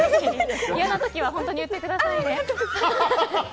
嫌な時は本当に言ってくださいね。